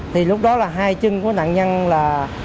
thì lúc đó là hai chân của nạn nhân là